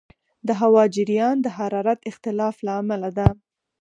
د هوا جریان د حرارت اختلاف له امله دی.